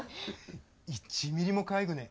１ミリもかわいくねえ。